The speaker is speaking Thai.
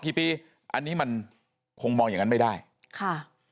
กี่ปีอันนี้มันคงมองอย่างนั้นไม่ได้ค่ะ